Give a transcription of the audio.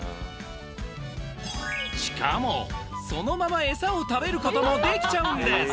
しかもそのままエサを食べることもできちゃうんです！